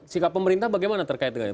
sikap pemerintah bagaimana terkait dengan itu